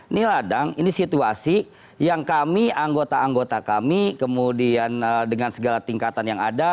ini ladang ini situasi yang kami anggota anggota kami kemudian dengan segala tingkatan yang ada